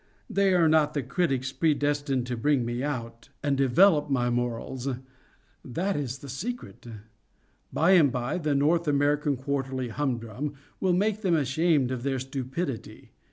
They are not the critics predestined to bring me out, and develop my morals:—that is the secret. By and by the "North American Quarterly Humdrum" will make them ashamed of their stupidity.